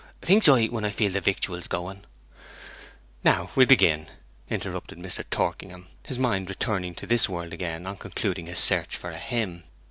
Thinks I, when I feel the victuals going ' 'Now, we'll begin,' interrupted Mr. Torkingham, his mind returning to this world again on concluding his search for a hymn.